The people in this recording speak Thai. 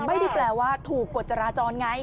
ไม่ได้แปลว่าถูกกฎจราจรไง